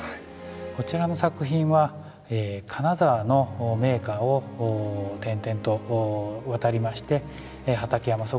こちらの作品は金沢の名家を転々と渡りまして畠山即